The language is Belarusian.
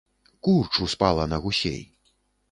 Курч успала на гусей.